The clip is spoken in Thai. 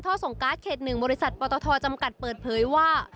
ส่งการ์ดเขต๑บริษัทปตทจำกัดเปิดเผยว่า